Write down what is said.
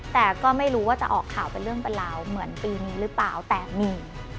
แต่ก็ไม่รู้ว่าจะออกข่าวเป็นเรื่องเป็นราวเหมือนปีนี้หรือเปล่าแต่มี